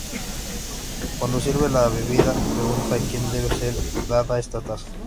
Cuándo sirve las bebidas pregunta "A quien debe ser dada esta taza?